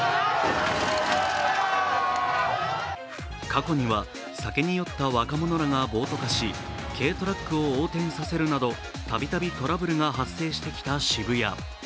過去には酒に酔った若者らが暴徒化し、軽トラックを横転させるなど度々トラブルが発生してきた渋谷。